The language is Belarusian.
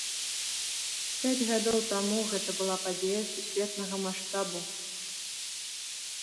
Пяць гадоў таму гэта была падзея сусветнага маштабу.